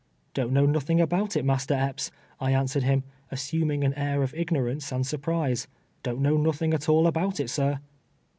" Don't know nothing about it. Master Epps," I an svrered him, assuming an air of ignorance and sur prise ;" Don't know nothing at all about it, sir."